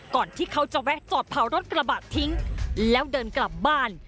ที่เขาจะแวะจอดเผารถกระบะทิ้งแล้วเดินกลับบ้าน